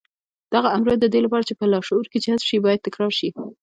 دغه امرونه د دې لپاره چې په لاشعور کې جذب شي بايد تکرار شي.